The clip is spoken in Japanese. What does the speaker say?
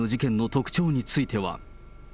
そして、今回の事件の特徴については。